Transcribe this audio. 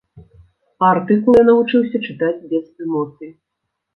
А артыкулы я навучыўся чытаць без эмоцый.